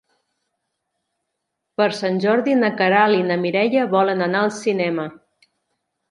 Per Sant Jordi na Queralt i na Mireia volen anar al cinema.